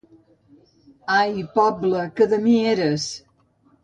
Ai, poble que de mi eres!